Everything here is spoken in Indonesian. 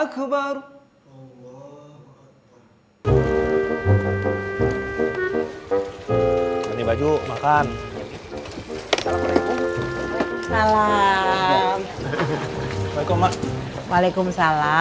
sampai jumpa di video selanjutnya